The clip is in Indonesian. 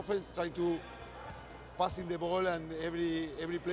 dan setelah itu di ofensi kita mencoba untuk melakukan perhubungan di bola